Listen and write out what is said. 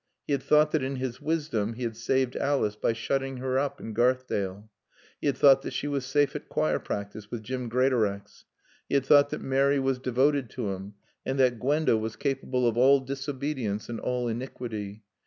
He had thought that in his wisdom he had saved Alice by shutting her up in Garthdale. He had thought that she was safe at choir practice with Jim Greatorex. He had thought that Mary was devoted to him and that Gwenda was capable of all disobedience and all iniquity.